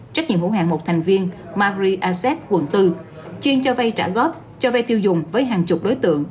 trách nhiệm hữu hàng một thành viên magri asset quận bốn chuyên cho vây trả góp cho vây tiêu dùng với hàng chục đối tượng